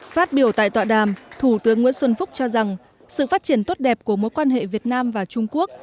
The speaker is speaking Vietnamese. phát biểu tại tọa đàm thủ tướng nguyễn xuân phúc cho rằng sự phát triển tốt đẹp của mối quan hệ việt nam và trung quốc